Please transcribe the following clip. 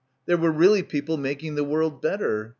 There were really people making the world better.